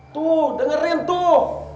tuh dengerin tuh